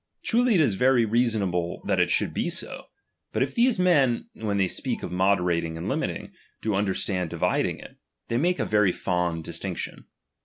Truly it is very reasonable it should be so; but it' these men, 'when they speak or moderating and limiting, do understand dividing it, they make a very fond distinction.